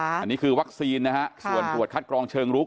อันนี้คือวัคซีนนะฮะส่วนตรวจคัดกรองเชิงลุก